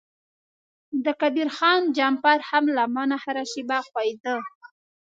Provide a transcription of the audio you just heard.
د کبیر خان جمپر هم له ما نه هره شیبه ښویده.